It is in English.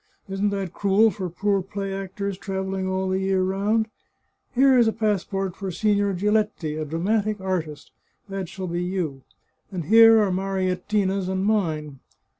Isn't that cruel for poor play actors, travelling all the year round ? Here is a passport for Signor Giletti, a dramatic artist — that shall be you — and here are Mariettina's and mine.